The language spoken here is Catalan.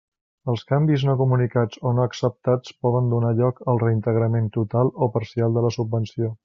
Els canvis no comunicats o no acceptats poden donar lloc al reintegrament total o parcial de la subvenció.